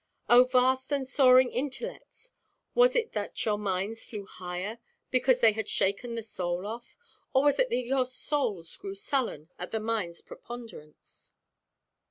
Oh vast and soaring intellects, was it that your minds flew higher because they had shaken the soul off; or was it that your souls grew sullen at the mindʼs preponderance?